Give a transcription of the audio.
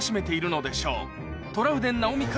トラウデン直美君